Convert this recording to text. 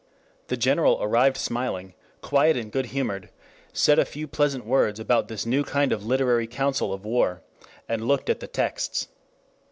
The General arrived smiling, quiet and good humored, said a few pleasant words about this new kind of literary council of war, and looked at the texts.